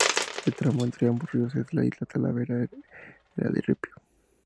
El tramo entre ambos ríos, en la isla Talavera, era de ripio.